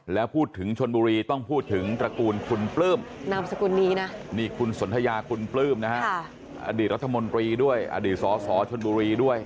แล้วพูดถึงชนบุรีต้องพูดถึงตระกูลคุณปลื้มนามสกุลนี้นะนี่คุณสนทยาคุณปลื้มนะฮะอดีตรัฐมนตรีด้วยอดีตสสชนบุรีด้วย